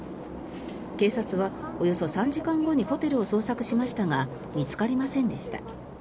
警察は、およそ３時間後にホテルを捜索しましたが見つかりませんでした。